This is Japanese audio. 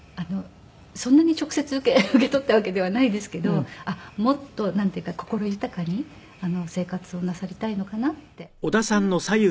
そんなに直接受け取ったわけではないですけどもっとなんていうか心豊かに生活をなさりたいのかなってそんな事は思って。